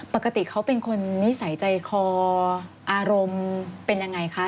ปกติเขาเป็นคนนิสัยใจคออารมณ์เป็นยังไงคะ